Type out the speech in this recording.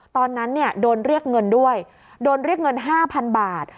ตอนนั้นเนี่ยโดนเรียกเงินด้วยโดนเรียกเงิน๕๐๐๐บาท